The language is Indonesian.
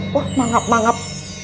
wah manggap manggap